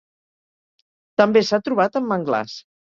També s'ha trobat en manglars.